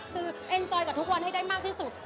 คือเอ็นจอยกับทุกวันให้ได้มากที่สุด